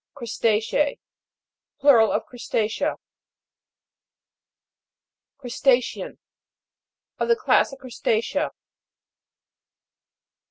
CRUSTA'CEA. Plural of Crusta'cea. CRUST A'CEAN. Of the class of Crus ta'cea.